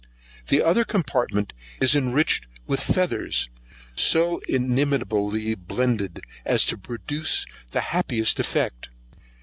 The other copartment is enriched with feathers and so inimitably blended as to produce the happiest effect.